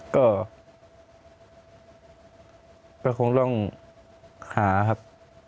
ก็คงต้องหาครับ